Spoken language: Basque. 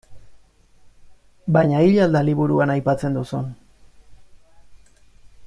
Baina hil al da liburuan aipatzen duzun.